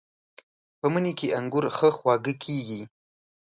په مني کې انګور ښه خواږه کېږي.